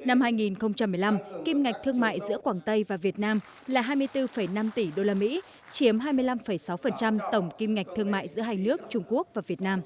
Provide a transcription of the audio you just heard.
năm hai nghìn một mươi năm kim ngạch thương mại giữa quảng tây và việt nam là hai mươi bốn năm tỷ usd chiếm hai mươi năm sáu tổng kim ngạch thương mại giữa hai nước trung quốc và việt nam